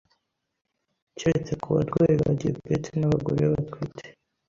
keretse ku barwayi ba diyabete n’abagore batwite,